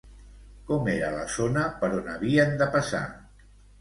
Com era la zona per on havien de passar?